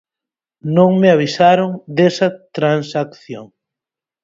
Non me avisaron desa transacción.